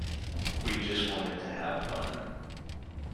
We just wanted to have fun.